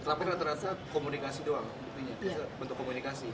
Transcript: tapi rata rata komunikasi doang bentuk komunikasi